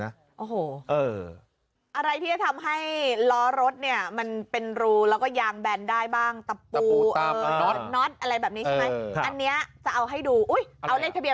อะไรที่จะทำให้ล้อรถเนี่ย